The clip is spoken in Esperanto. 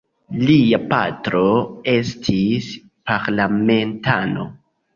Lia patro estis parlamentano.